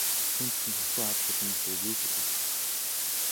Түүнд чинь хатуу хад чулуунаас өөр юу ч үгүй.